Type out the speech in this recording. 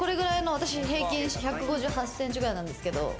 私平均１５８センチくらいなんですけど。